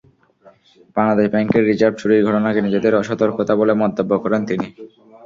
বাংলাদেশ ব্যাংকের রিজার্ভ চুরির ঘটনাকে নিজেদের অসতর্কতা বলে মন্তব্য করেন তিনি।